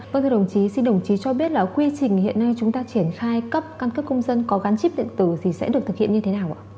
vâng thưa đồng chí xin đồng chí cho biết là quy trình hiện nay chúng ta triển khai cấp căn cước công dân có gắn chip điện tử thì sẽ được thực hiện như thế nào ạ